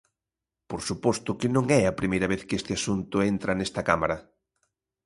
Por suposto que non é a primeira vez que este asunto entra nesta Cámara.